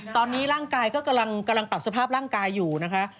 ตอนนี้ร่างกายก็กำลังปรับสภาพร่างกายอยู่นะคะ